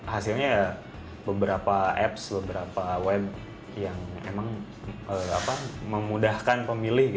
hasilnya beberapa apps beberapa web yang memang memudahkan pemilih